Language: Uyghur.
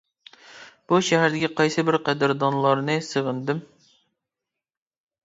بۇ شەھەردىكى قايسى بىر قەدىردانلارنى سېغىندىم.